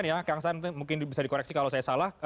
yang angsa mungkin bisa dikoreksi kalau saya salah